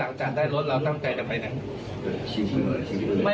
แล้วหลังจากได้รถเราตั้งใจจะไปไหน